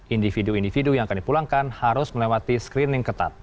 individu individu yang akan dipulangkan harus melewati screening ketat